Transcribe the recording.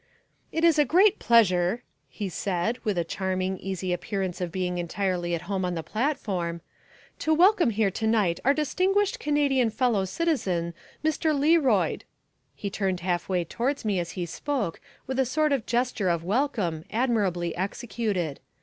"It is a great pleasure," he said, with a charming, easy appearance of being entirely at home on the platform, "to welcome here tonight our distinguished Canadian fellow citizen, Mr. Learoyd" he turned half way towards me as he spoke with a sort of gesture of welcome, admirably executed.